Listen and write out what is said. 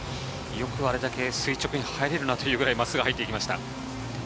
よくあれだけ垂直に入れるなというほど、垂直に入ってきました。